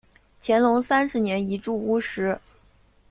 干隆三十年移驻乌什。